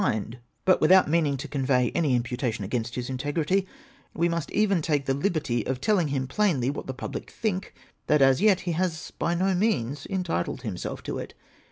3 kind ; but without meaning to convey any imputation against his integrity, we must even take the liberty of telling him plainly what the public think — that as yet he has by no means entitled himself to it.